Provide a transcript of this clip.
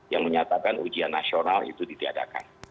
yang menyatakan ujian nasional itu ditiadakan